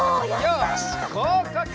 よしごうかく！